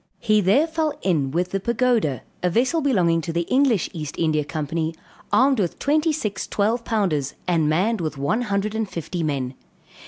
He there fell in with the Pagoda, a vessel belonging to the English East India Company, armed with twenty six twelve pounders and manned with one hundred and fifty men.